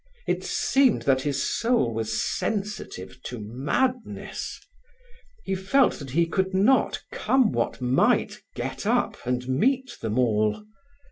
It seemed that his soul was sensitive to madness. He felt that he could not, come what might, get up and meet them all.